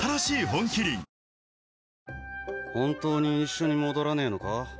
本当に一緒に戻らねえのか？